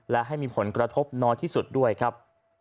และให้มีผลกระทบน้อยที่สุดด้วยครับ